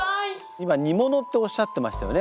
今「煮物」っておっしゃってましたよね